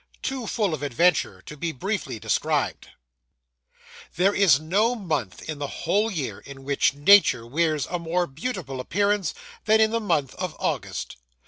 TOO FULL OF ADVENTURE TO BE BRIEFLY DESCRIBED There is no month in the whole year in which nature wears a more beautiful appearance than in the month of August.